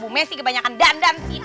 bu messi kebanyakan dandan sih